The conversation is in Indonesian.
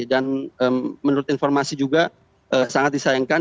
dan menurut informasi juga sangat disayangkan